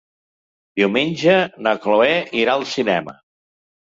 Diumenge na Chloé irà al cinema.